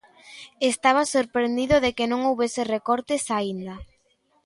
Estaba sorprendido de que non houbese recortes aínda.